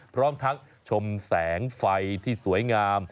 พร้อมทั้งชมแสงไฟที่สวยงาม